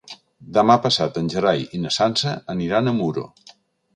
Demà passat en Gerai i na Sança aniran a Muro.